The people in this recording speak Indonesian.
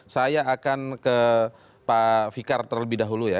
saya akan ke pak fikar terlebih dahulu ya